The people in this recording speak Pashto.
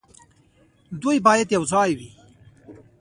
دوی باید یوځای وي.